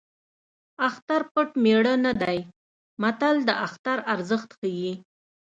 اختر پټ مېړه نه دی متل د اختر ارزښت ښيي